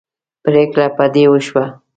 پرېکړه په دې وشوه.